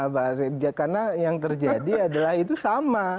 karena yang terjadi adalah itu sama